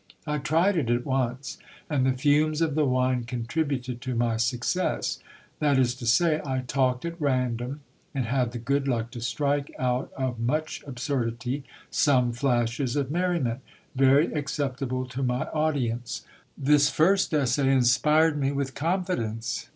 I tried it at once, and the fumes of the wine contributed to my success ; that is to say, I talked at random, and had the good luck to strike out of much ab surdity some flashes of merriment, very acceptable to my audience. This first essay inspired me with confidence.